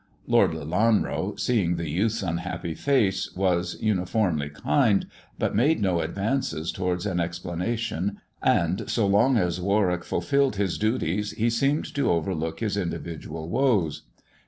Lord Lelanro, seeing the youth's unhappy face, was uniformly kind, but made no advances towards an explana tion, and so long as Warwick fulfilled hie duties he seemed to overlook his individual woes.